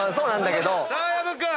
さあ薮君！